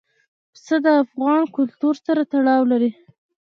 پسه د افغان کلتور سره تړاو لري.